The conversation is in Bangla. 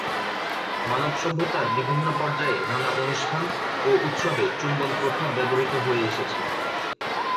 মানব সভ্যতার বিভিন্ন পর্যায়ে নানা অনুষ্ঠান ও উৎসবে চুম্বন প্রথা ব্যবহৃত হয়ে এসেছে।